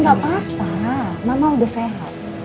nggak apa apa mama udah sehat